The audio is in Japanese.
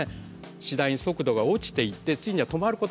次第に速度が落ちていってついには止まることもあります。